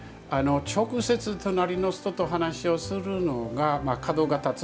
直接隣の人と話をするのが角が立つ。